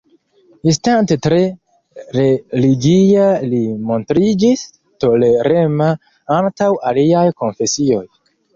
Estante tre religia li montriĝis tolerema antaŭ aliaj konfesioj.